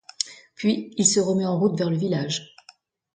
Puis, il se remet en route vers le village…